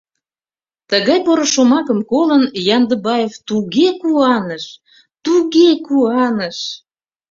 Тыгай поро шомакым колын, Яндыбаев туге куаныш, туге куаныш...